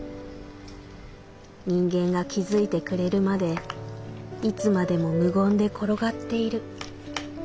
人間が気づいてくれるまでいつまでも無言で転がっている」。